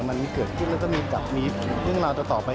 มันเกิดขึ้นแล้วก็มีเรื่องราวต่อไป